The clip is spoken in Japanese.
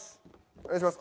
お願いします